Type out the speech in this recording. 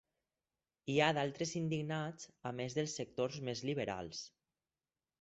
Hi ha d'altres indignats a més dels sectors més liberals.